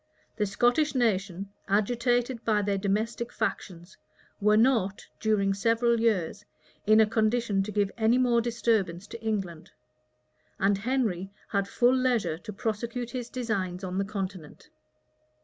The Scottish nation, agitated by their domestic factions, were not, during several years, in a condition to give any more disturbance to England; and Henry had full leisure to prosecute his designs on the continent.